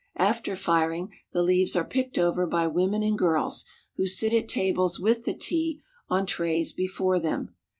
After firing, the leaves are picked over by women and girls, who sit at tables with the tea on trays before them.